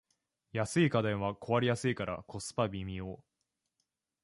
安い家電は壊れやすいからコスパ微妙